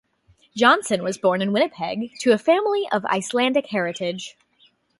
Johnson was born in Winnipeg, to a family of Icelandic heritage.